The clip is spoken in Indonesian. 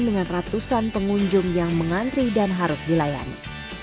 dengan ratusan pengunjung yang mengantri dan harus dilayani